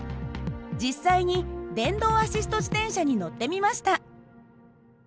実際に電動アシスト自転車に乗ってみました。